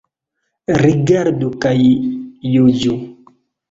Rigardu kaj juĝu.